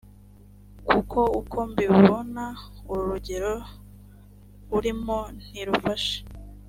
kuko uko mbibona, uru rugendo urimo ntirufashe.